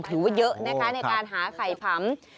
ถือว่าเยอะนะคะในการหาไข่พร้ำ